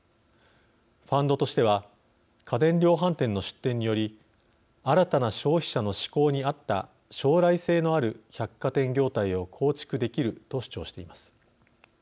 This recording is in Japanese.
ファンドとしては家電量販店の出店により新たな消費者のしこうに合った将来性のある百貨店業態を構築できると主張しています。